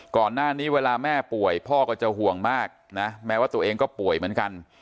ก่อนหน้านี้เวลาแม่ป่วยพ่อก็จะห่วงมากนะแม้ว่าตัวเองก็ป่วยเหมือนกัน